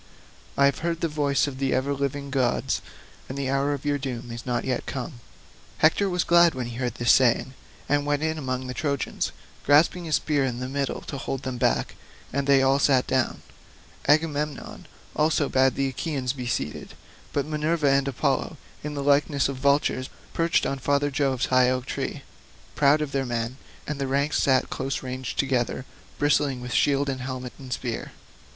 I have heard the voice of the ever living gods, and the hour of your doom is not yet come." Hector was glad when he heard this saying, and went in among the Trojans, grasping his spear by the middle to hold them back, and they all sat down. Agamemnon also bade the Achaeans be seated. But Minerva and Apollo, in the likeness of vultures, perched on father Jove's high oak tree, proud of their men; and the ranks sat close ranged together, bristling with shield and helmet and spear.